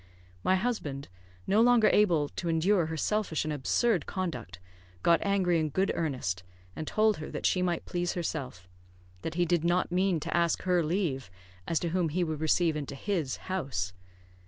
My husband, no longer able to endure her selfish and absurd conduct, got angry in good earnest, and told her that she might please herself; that he did not mean to ask her leave as to whom he received into his house.